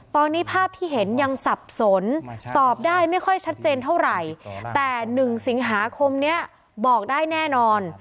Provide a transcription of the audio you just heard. ตอนนี้ภาพที่เห็นยังสับสนตอบได้ไม่ค่อยชัดเจนเท่าไหร่แต่๑สิงหาคมนี้บอกได้แน่นอน